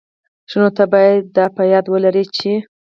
ښه، نو ته بايد دا په یاد ولري چي...